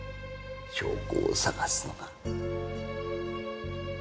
証拠を探すのが。